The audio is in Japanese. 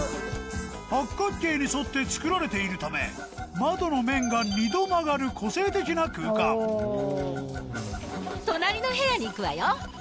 八角形に沿って造られているため窓の面が２度曲がる個性的な空間お。